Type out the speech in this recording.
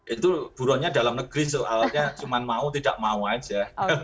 itu buronnya dalam negeri soalnya cuma mau tidak mau aja